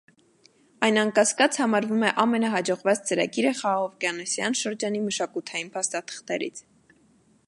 Այն անկասկած համարվում է ամենահաջողված ծրագիրը խաղաղօվկիանոսյան շրջանի մշակութային փաստաթղթերից։